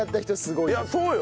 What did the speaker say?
いやそうよね。